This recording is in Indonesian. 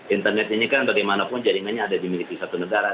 internet ini kan bagaimanapun jaringannya ada dimiliki satu negara